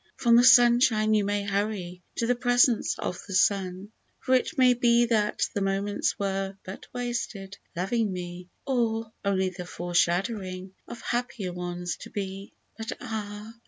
From the sunshine you may hurry to the presence of the sun, For it may be that the moments were but wasted loving me. Or only the foreshadowing of happier ones to be! But ah